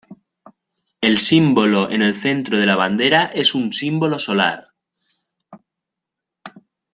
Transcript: El símbolo en el centro de la bandera es un símbolo solar.